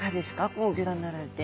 こうギョ覧になられて。